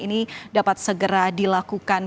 ini dapat segera dilakukan